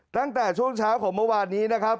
ตั้งแต่ช่วงเช้าของเมื่อวานนี้นะครับ